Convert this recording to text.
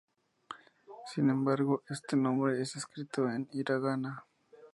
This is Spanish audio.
Sin embargo, este nombre es escrito en hiragana.